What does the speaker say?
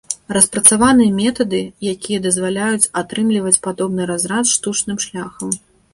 Распрацаваны метады, якія дазваляюць атрымліваць падобны разрад штучным шляхам.